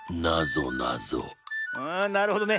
あなるほどね。